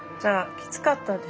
きつかったですよ